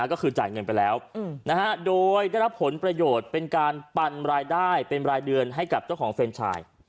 ก็คือจ่ายเงินไปแล้วโดยได้รับผลประโยชน์เป็นการปันรายได้เป็นรายเดือนให้กับเจ้าของเฟรนชาย